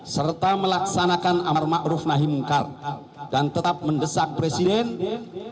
serta melaksanakan amarmakruf nahimungkar dan tetap mendesak presiden untuk